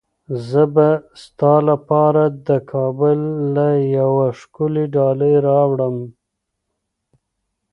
زه به ستا لپاره د کابل نه یوه ښکلې ډالۍ راوړم.